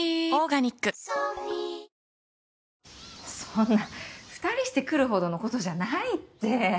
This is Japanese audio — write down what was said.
そんな２人して来るほどのことじゃないって。